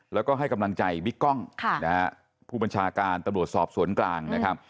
แล้วก็ให้กำลังใจบิ๊กกล้องผู้บัญชาการตำรวจสอบสวนกลางนะครับ